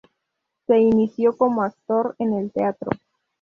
Se inició como actor en el teatro.